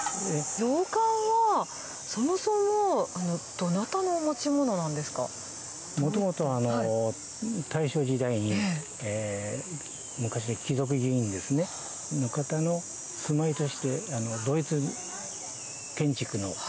洋館は、そもそもどなたの持もともとは大正時代に、昔、貴族議員の方の住まいとして、ドイツ建築の。